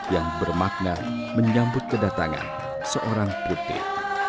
yang bermakna menyambut kedatangan seorang putri